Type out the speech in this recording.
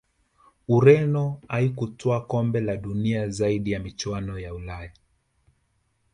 Ureno haikutwaa kombe la dunia zaidi ya michuano ya Ulaya